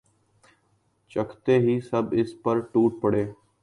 چکھتے ہی سب اس پر ٹوٹ پڑے